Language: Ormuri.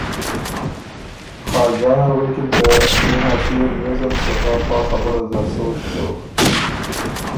خاجان ال غوېکِن که ”ݭيې نا ݭيې ریوزن سُو خه پا خبُره زر سوچ دوک“